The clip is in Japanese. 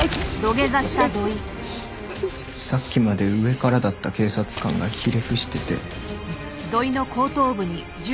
さっきまで上からだった警察官がひれ伏してて。